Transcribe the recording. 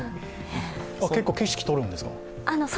結構、景色撮るんですか？